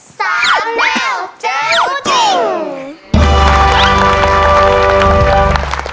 ๓แนวเจลซู่จิง